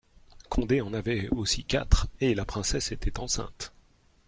Condé en avait aussi quatre, et la princesse était enceinte.